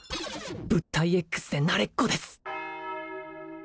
物体Ｘで慣れっこです